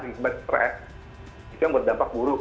itu yang membuat dampak buruk